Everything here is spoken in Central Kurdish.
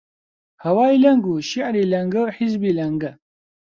هەوای لەنگ و شیعری لەنگە و حیزبی لەنگە: